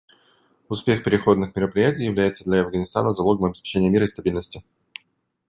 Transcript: Успех переходных мероприятий является для Афганистана залогом обеспечения мира и стабильности.